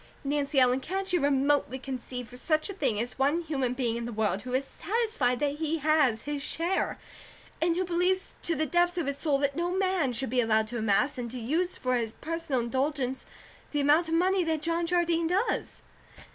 Nancy Ellen, can't you remotely conceive of such a thing as one human being in the world who is SATISFIED THAT HE HAS HIS SHARE, and who believes to the depths of his soul that no man should be allowed to amass, and to use for his personal indulgence, the amount of money that John Jardine does?"